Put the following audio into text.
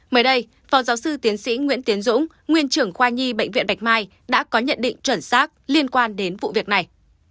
mới đây phó giáo sư tiến sĩ nguyễn tiến dũng nguyên trưởng khoa nhi bệnh viện bạch mai đã có nhận định chuẩn xác liên quan đến vụ việc này